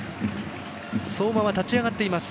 相馬は立ち上がっています。